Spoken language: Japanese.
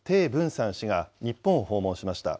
燦氏が日本を訪問しました。